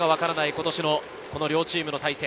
今年の両チームの対戦。